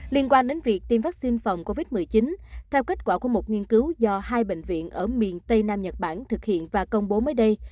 liên quan đến việc tiêm vaccine phòng covid một mươi chín theo kết quả của một nghiên cứu do hai bệnh viện ở miền tây nam nhật bản thực hiện và công bố mới đây